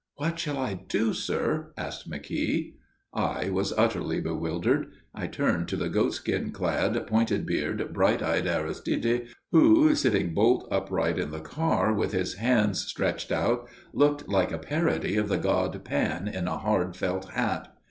"What shall I do, sir?" asked McKeogh. I was utterly bewildered. I turned to the goat skin clad, pointed bearded, bright eyed Aristide, who, sitting bolt upright in the car, with his hands stretched out, looked like a parody of the god Pan in a hard felt hat.